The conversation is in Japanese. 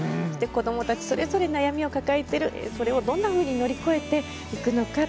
子どもたちそれぞれ悩みを抱えている、それをどういうふうに乗り越えていくのか。